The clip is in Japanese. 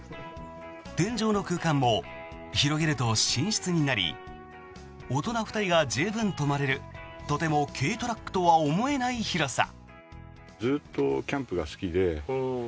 天井の空間も広げると寝室になり大人２人が十分泊まれるとても軽トラックとは思えない広さ。